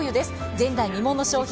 前代未聞の商品。